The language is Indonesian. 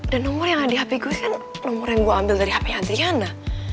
dan nomor yang ada di hp gue kan nomor yang gue ambil dari hp nya adriana